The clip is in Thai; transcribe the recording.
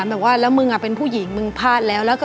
แล้วมึงเป็นผู้หญิงมึงพลาดแล้ว